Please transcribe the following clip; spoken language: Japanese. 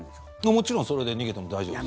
もちろんそれで逃げても大丈夫です。